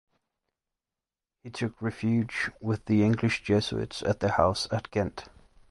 He took refuge with the English Jesuits at their house at Ghent.